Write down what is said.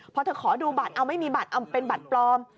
พอเธอขอดูบัตรเอาไม่มีบัตรเป็นบัตรปลอม